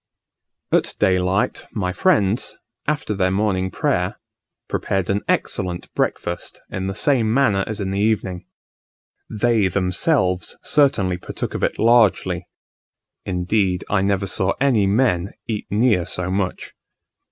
At daylight my friends, after their morning prayer, prepared an excellent breakfast in the same manner as in the evening. They themselves certainly partook of it largely; indeed I never saw any men eat near so much.